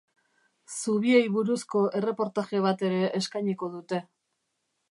Zubiei buruzko erreportaje bat ere eskainiko dute.